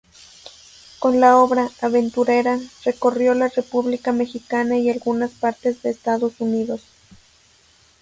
Con la obra "Aventurera", recorrió la República Mexicana y algunas partes de Estados Unidos.